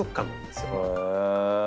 へえ。